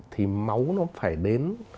thì máu nó phải đến